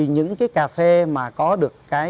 những cà phê mà có được